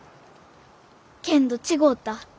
けんど違うた。